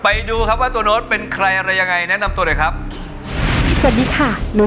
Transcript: ไปดูครับว่าตัวโน้ตเป็นใครอะไรยังไงแนะนำตัวหน่อยครับสวัสดีค่ะ